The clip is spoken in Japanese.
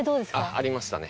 ありましたね